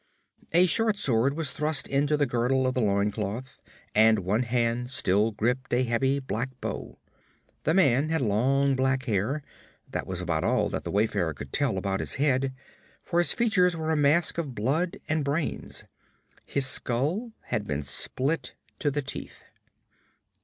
A short sword was thrust into the girdle of the loin cloth, and one hand still gripped a heavy black bow. The man had long black hair; that was about all the wayfarer could tell about his head, for his features were a mask of blood and brains. His skull had been split to the teeth.